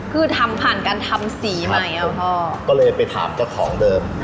คือทำผ่านการทำสีใหม่อะพ่อใช่ครับก็เลยไปถามเจ้าของเดิม